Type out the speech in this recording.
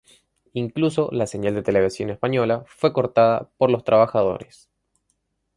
Incluso la señal de Televisión Española fue cortada por los trabajadores.